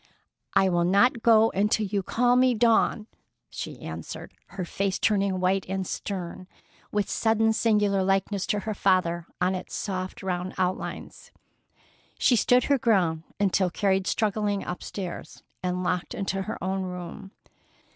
"I will not go until you call me Dawn," she answered, her face turning white and stern, with sudden singular likeness to her father on its soft round outlines. She stood her ground until carried struggling upstairs and locked into her own room.